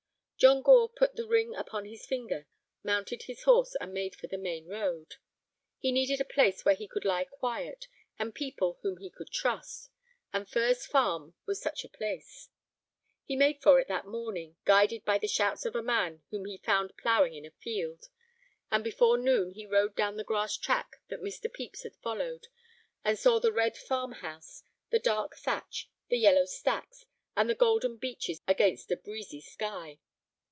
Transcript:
John Gore put the ring upon his finger, mounted his horse, and made for the main road. He needed a place where he could lie quiet, and people whom he could trust, and Furze Farm was such a place. He made for it that morning, guided by the shouts of a man whom he found ploughing in a field, and before noon he rode down the grass track that Mr. Pepys had followed, and saw the red farm house, the dark thatch, the yellow stacks, and the golden beeches against a breezy sky.